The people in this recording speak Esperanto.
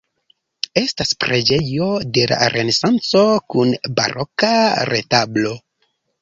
Estas preĝejo de la Renesanco kun baroka retablo.